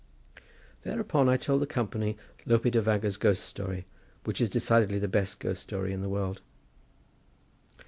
Thereupon I told the company Lope de Vega's ghost story, which is decidedly the best ghost story in the world.